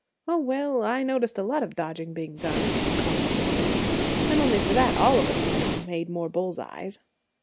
"Oh, well, I noticed a lot of dodging being done," commented Frank; "and only for that all of us might have made more bull's eyes."